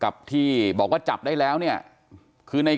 กลุ่มวัยรุ่นกลัวว่าจะไม่ได้รับความเป็นธรรมทางด้านคดีจะคืบหน้า